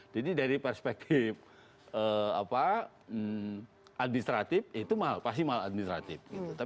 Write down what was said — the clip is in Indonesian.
jadi dari perspektif administratif itu pasti mal administratif